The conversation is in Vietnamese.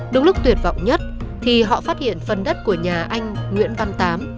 đúng lúc tuyệt vọng nhất thì họ phát hiện phần đất của nhà anh nguyễn văn tám